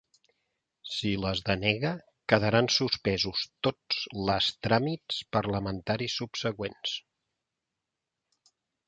Si les denega, ‘quedaran suspesos tots les tràmits parlamentaris subsegüents’.